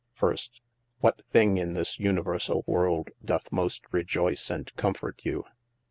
First, what thing in this universall world doth most rejoyce and comfort you